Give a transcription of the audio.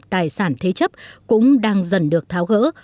tài sản thế chấp cũng đang dần được tháo gỡ